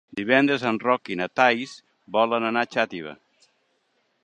Divendres en Roc i na Thaís volen anar a Xàtiva.